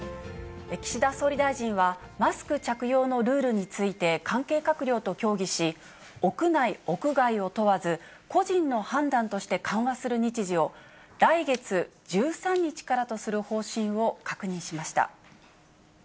岸田総理大臣は、マスク着用のルールについて、関係閣僚と協議し、屋内・屋外を問わず、個人の判断として緩和する日時を、来月１３日からとする方針を確認しました。